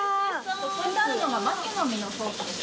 添えてあるのがマツの実のソースです。